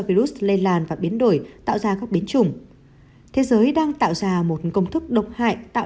virus lây lan và biến đổi tạo ra các biến chủng thế giới đang tạo ra một công thức độc hại tạo